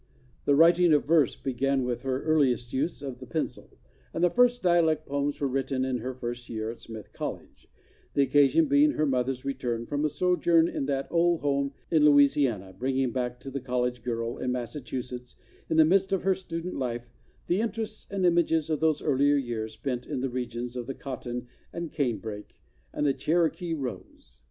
The writing of verse began with her earliest use of the pencil, but the first dialect poems were written in her first year at Smith College, the occasion being her mother's return from a sojourn in the old home in Louisiana, bringing back to the college girl in Massachusetts, in the midst of her stu¬ dent life, the interests and images of those earlier years spent in the region of the cotton, the cane brake, and the "Cherokee rose."